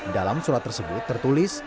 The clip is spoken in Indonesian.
dalam surat tersebut tertulis